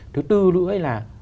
thứ tư nữa là